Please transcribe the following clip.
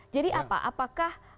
jadi apa apakah